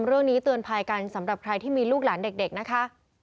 เรื่องนี้เตือนภัยกันสำหรับใครที่มีลูกหลานเด็กนะคะ